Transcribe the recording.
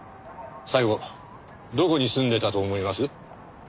最後どこに住んでたと思います？